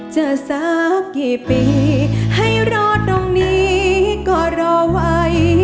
สักกี่ปีให้รอตรงนี้ก็รอไว้